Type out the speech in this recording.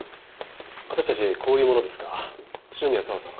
私たちこういう者ですが篠宮佐和さん